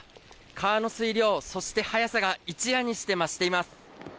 川の水量、そして速さが一夜にして増しています。